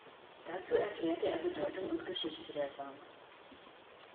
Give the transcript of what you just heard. Dazu erklärte er Bedeutung und Geschichte der Songs.